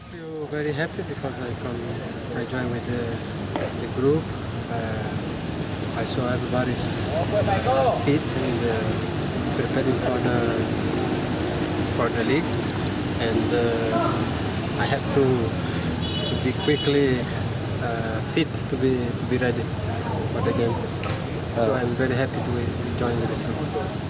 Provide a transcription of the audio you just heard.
saya sangat senang untuk menemani peran liga satu dan saya harus segera berpakaian untuk siapkan peran di peran jadi saya sangat senang untuk menemani peran liga satu